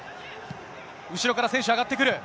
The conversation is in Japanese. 後ろから選手が上がってくる。